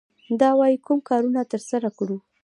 دا وايي کوم کارونه ترسره کړو.